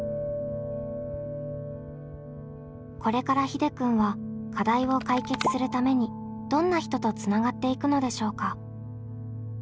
これからひでくんは課題を解決するためにどんな人とつながっていくのでしょうか？